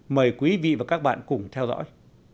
mời quý vị và các bạn cùng theo dõi